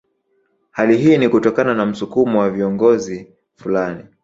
Hali hii ni kutokana na msukumo wa kiongozi au viongozi fulani